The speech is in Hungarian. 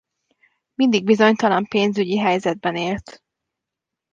Mindig bizonytalan pénzügyi helyzetben élt.